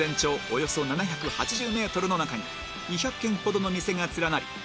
およそ７８０ｍの中に２００軒ほどの店が連なり